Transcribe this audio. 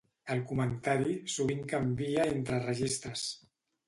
El comentari sovint canvia entre registres.